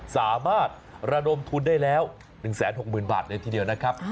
สามารถระดมทุนได้แล้ว๑๖๐๐๐บาทเลยทีเดียวนะครับ